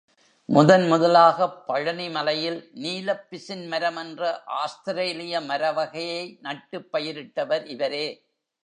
முதன் முதலாகப் பழனி மலையில் நீலப் பிசின் மரம் என்ற ஆஸ்திரேலிய மர வகையை நட்டுப் பயிரிட்டவர் இவரே.